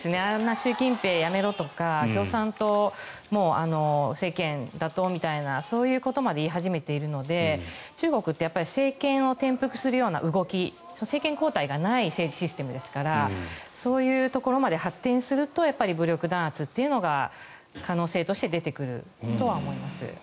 習近平辞めろとか共産党政権打倒みたいなそういうことまで言い始めているので中国って政権を転覆するような動き政権交代がない政治システムですからそういうところまで発展すると武力弾圧というのが可能性として出てくるとは思います。